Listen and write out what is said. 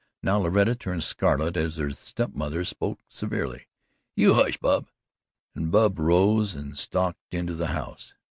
Now Loretta turned scarlet as the step mother spoke severely: "You hush, Bub," and Bub rose and stalked into the house.